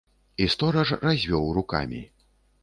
І стораж развёў рукамі.